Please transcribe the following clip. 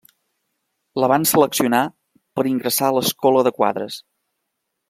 La van seleccionar per ingressar a l'Escola de Quadres.